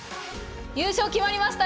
優勝決まりました。